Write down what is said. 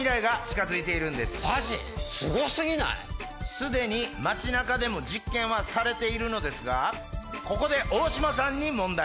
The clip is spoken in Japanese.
すでに街中でも実験はされているのですがここでオオシマさんに問題！